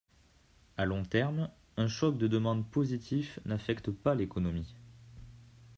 À long terme, un choc de demande positif n'affecte pas l'économie.